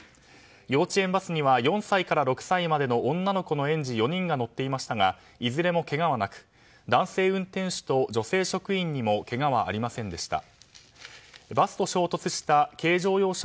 幼稚園バスには４歳から６歳までの女の子の園児４人が乗っていましたがいずれもけがはなく男性運転手と女性職員にもけがはありませんでした。